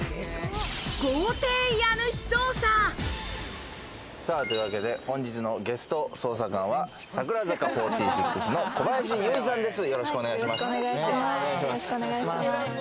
豪邸家主捜査！というわけで本日のゲスト捜査官は、櫻坂４６の小林由依さんです。